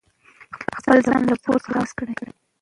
خپل ځان له پور څخه خلاص کړئ.